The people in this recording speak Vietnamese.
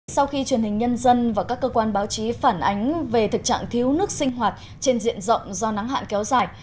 sau khi truyền hình nhân dân và các cơ quan báo chí phản ánh về thực trạng thiếu nước sinh hoạt trên diện rộng do nắng hạn kéo dài